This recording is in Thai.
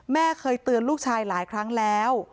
แม่เคยเตือนลูกชายหลายครั้งแล้ว